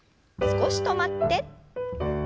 少し止まって。